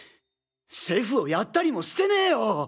シェフを殺ったりもしてねえよ！